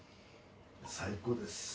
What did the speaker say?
最高です。